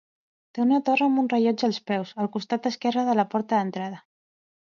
Té una torre amb un rellotge als peus, al costat esquerre de la porta d'entrada.